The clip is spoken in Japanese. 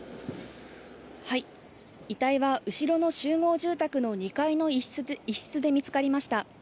遺体は後ろの集合住宅の２階の一室で見つかりました。